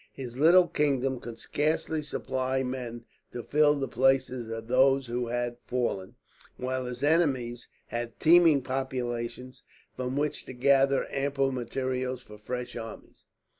His little kingdom could scarcely supply men to fill the places of those who had fallen, while his enemies had teeming populations from which to gather ample materials for fresh armies.